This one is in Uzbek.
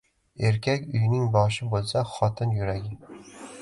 • Erkak uyning boshi bo‘lsa, xotin — yuragi.